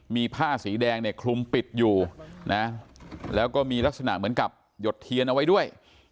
มีผ้าสีแดงเนี่ยคลุมปิดอยู่นะแล้วก็มีลักษณะเหมือนกับหยดเทียนเอาไว้ด้วย